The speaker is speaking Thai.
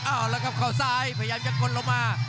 อ้าวแล้วครับเขาซ้ายพยายามจะกลลงลงมา